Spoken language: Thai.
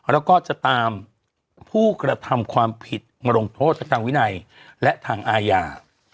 แล้วก็จะตามผู้กระทำความผิดมาลงโทษทางวินัยและทางอาญา